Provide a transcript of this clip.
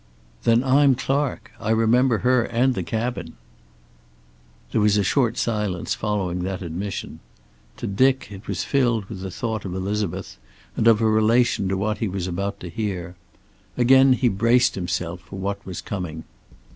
"Then I'm Clark. I remember her, and the cabin." There was a short silence following that admission. To Dick, it was filled with the thought of Elizabeth, and of her relation to what he was about to hear. Again he braced himself for what was coming.